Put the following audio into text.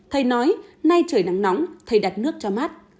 thầy nói nay trời nắng nóng thầy đặt nước cho mát